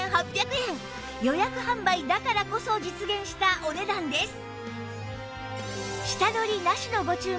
予約販売だからこそ実現したお値段です